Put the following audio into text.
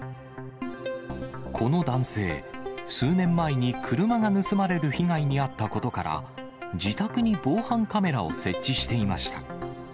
この男性、数年前に車が盗まれる被害に遭ったことから、自宅に防犯カメラを設置していました。